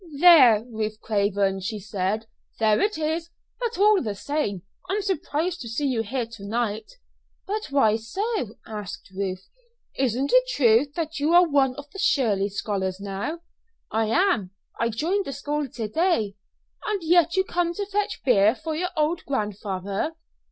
"There, Ruth Craven," she said "there it is. But, all the same, I'm surprised to see you here to night." "But why so?" asked Ruth. "Isn't it true that you are one of the Shirley scholars now?" "I am; I joined the school to day." "And yet you come to fetch beer for your old grandfather!"